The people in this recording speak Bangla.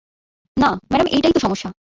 না, ম্যাডাম, এটাই তো সমস্যা।